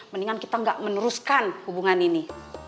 mendingan kita nggak meneruskan hubungan ini